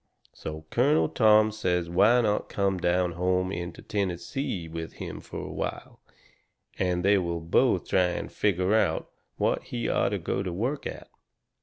So Colonel Tom says why not come down home into Tennessee with him fur a while, and they will both try and figger out what he orter go to work at.